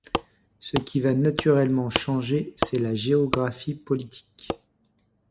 Ce qui va naturellement changer c'est la géographie politique.